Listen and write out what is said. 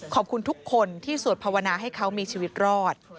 ขอบคุณทุกคนที่สวดภาวนาให้เขามีชีวิตรอด